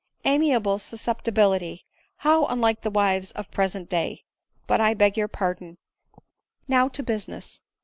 — Amiable susceptibility !— How unlike the wives of the present day ! But I beg pardon. Now to business."